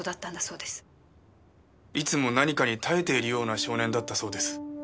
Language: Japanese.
いつも何かに耐えているような少年だったそうです。